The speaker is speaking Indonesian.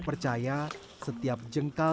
percaya setiap jengkal